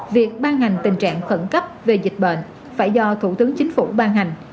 việc ban hành tình trạng khẩn cấp về dịch bệnh phải do thủ tướng chính phủ ban hành